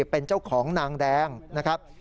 เป็นเจ้าของนางแดงนะครับ